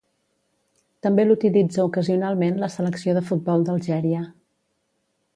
També l'utilitza ocasionalment la selecció de futbol d'Algèria.